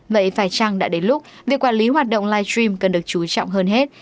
vậy phải chăng đã đến lúc việc quản lý hoạt động live stream cần được chú trọng hơn hết